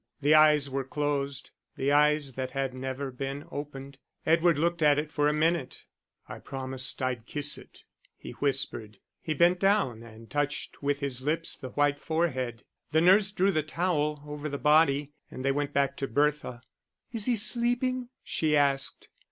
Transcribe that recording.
The eyes were closed, the eyes that had never been opened. Edward looked at it for a minute. "I promised I'd kiss it," he whispered. He bent down and touched with his lips the white forehead; the nurse drew the towel over the body, and they went back to Bertha. "Is he sleeping?" she asked.